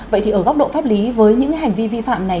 vậy thì ở góc độ pháp lý với những hành vi vi phạm này